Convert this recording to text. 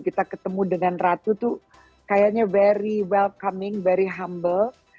kita ketemu dengan ratu tuh kayaknya very welcoming very humble